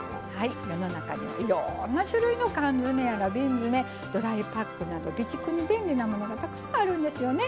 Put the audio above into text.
世の中にはいろんな種類の缶詰やら瓶詰ドライパックなど備蓄に便利なものがたくさんあるんですよね。